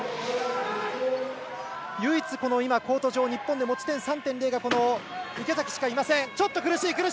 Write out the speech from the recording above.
唯一コート上、持ち点３．０が池崎しかいません。